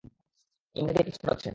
ও তোমাকে দিয়ে কাজ করাচ্ছে।